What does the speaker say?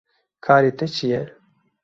Karê te çi ye?